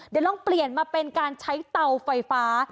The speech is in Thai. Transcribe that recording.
เดี๋ยวลองเปลี่ยนมาเป็นการใช้เตาไฟฟ้า